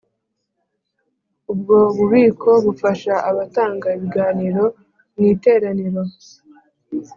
Ubwo bubiko bufasha abatanga ibiganiro mu Iteraniro